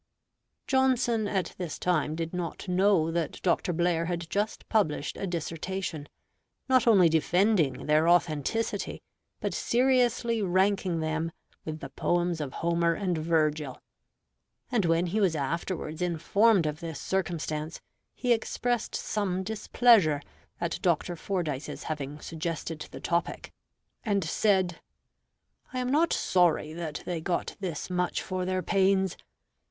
Johnson, at this time, did not know that Dr. Blair had just published a Dissertation, not only defending their authenticity, but seriously ranking them with the poems of Homer and Virgil; and when he was afterwards informed of this circumstance, he expressed some displeasure at Dr. Fordyce's having suggested the topic, and said, "I am not sorry that they got thus much for their pains.